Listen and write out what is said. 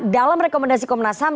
dalam rekomendasi komnas ham